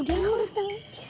aku juga nggak tau